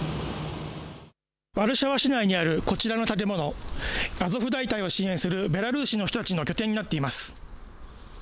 ワルシャワ市内にあるこちらの建物、アゾフ大隊を支援するベラルーシの人たちの拠点になっています。